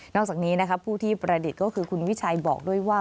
นอกจากนี้นะครับผู้ที่ประเด็นก็คือคุณวิชัยบอกด้วยว่า